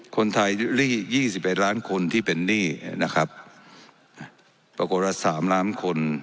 คนไทยหลี่ยี่สิบเอ็ดล้านคนที่เป็นหนี้นะครับปรากฏว่าสามล้านคน